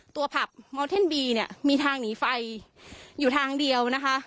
ผับมอลเทนบีเนี่ยมีทางหนีไฟอยู่ทางเดียวนะคะ